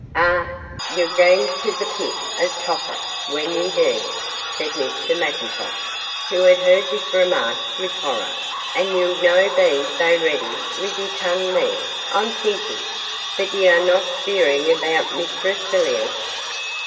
'Ah, ye'll gang tae the pit o' Tophet when ye dee,' said Mr McIntosh, who had heard this remark with horror; 'an' ye'll no be sae ready wi' your tongue there, I'm thinkin'; but ye are not speerin aboot Mistress Villiers.